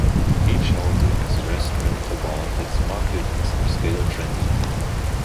Each hotel has a restaurant or bar that is marketed as upscale or trendy.